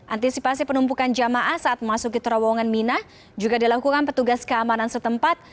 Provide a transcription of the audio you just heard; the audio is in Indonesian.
antisipasi penumpukan jamaah saat masuk ke terowongan mina juga dilakukan petugas keamanan setempat